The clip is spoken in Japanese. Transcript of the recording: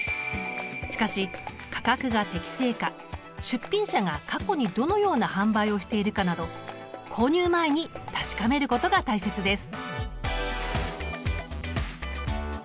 しかし価格が適正か出品者が過去にどのような販売をしているかなど購入前に確かめることが大切です。